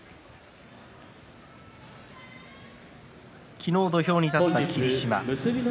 昨日、土俵に立った霧島。